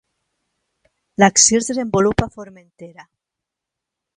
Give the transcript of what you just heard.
L'acció es desenvolupa a Formentera.